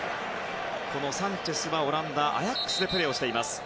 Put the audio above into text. サンチェスはオランダのアヤックスでプレー。